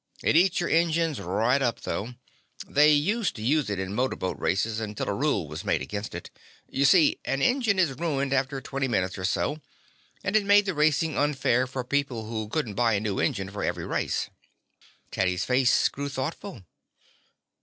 It eats your engines right up, though. They used to use it in motor boat races until a rule was made against it. You see, an engine is ruined after twenty minutes or so, and it made the racing unfair for people who couldn't buy a new engine for every race." Teddy's face grew thoughtful.